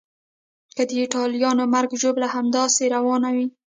که د ایټالویانو مرګ ژوبله همداسې روانه وي.